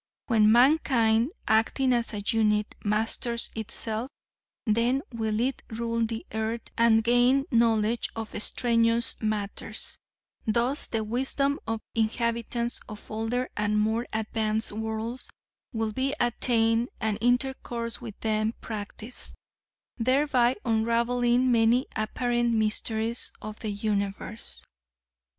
When mankind, acting as a unit, masters itself, then will it rule the earth and gain knowledge of extraneous matters; thus the wisdom of inhabitants of older and more advanced worlds will be attained and intercourse with them practiced, thereby unraveling many apparent mysteries of the universe.